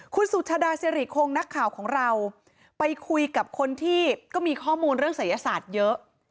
คุณสุชาดาสิริคงนักข่าวของเราไปคุยกับคนที่ก็มีข้อมูลเรื่องศัยศาสตร์เยอะ